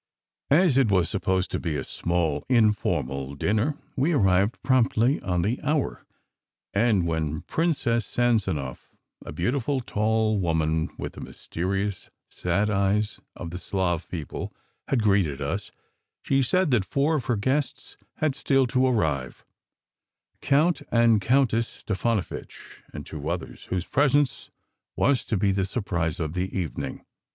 As it was supposed to be a small, informal dinner, we arrived promptly on the hour; and when Princess San zanow a beautiful, tall woman, with the mysterious, sad eyes of the Slav people had greeted us, she said that four of her guests had still to arrive : Count and Countess Stef anovitch, and two others whose presence was to be the surprise of the evening.